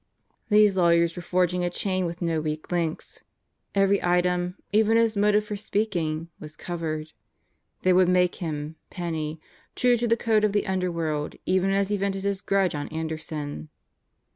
These lawyers were forging a chain with no weak links. Every item, even his motive for speaking, was covered. They would make him, Penney, true to the code of the underworld even as he vented his grudge on Anderson.